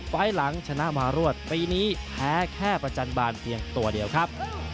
ไฟล์หลังชนะมารวดปีนี้แพ้แค่ประจันบาลเพียงตัวเดียวครับ